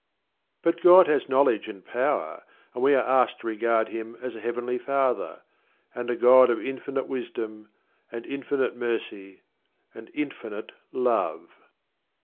But God has knowledge and power, and we are asked to regard Him as a Heavenly Father, and a God of infinite wisdom, and infinite mercy, and infinite love.